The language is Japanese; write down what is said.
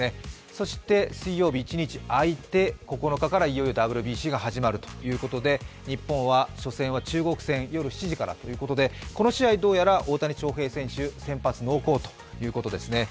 そして水曜日、１日空いて９日からいよいよＷＢＣが始まるということで日本は初戦は中国戦、夜７時からということで、この試合どうやら大谷翔平選手、先発濃厚ということのようです。